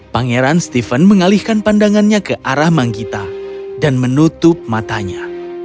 pangeran stephen mengalihkan pandangannya ke arah manggita dan menutup matanya